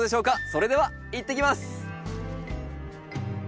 それではいってきます！